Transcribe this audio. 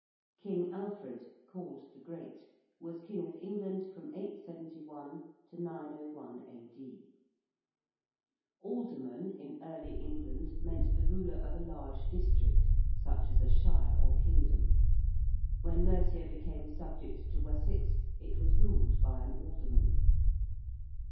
~King Alfred~, called the Great, was king of England from 871 901 A.D. ~Alderman~ in early England meant the ruler of a large district, such as a shire or kingdom. When Mercia became subject to Wessex it was ruled by an alderman.